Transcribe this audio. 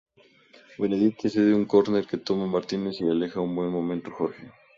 Benedetti cede un córner que toma Martínez y aleja un buen momento, Jorge.